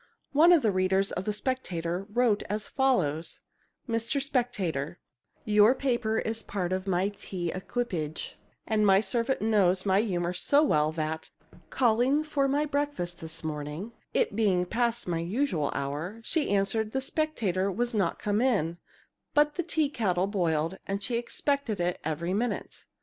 One of the readers of the Spectator wrote as follows: "Mr. Spectator: Your paper is a part of my tea equipage, and my servant knows my humor so well that, calling for my breakfast this morning (it being past my usual hour), she answered, the Spectator was not come in, but that the tea kettle boiled, and she expected it every minute."